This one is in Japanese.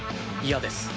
嫌です。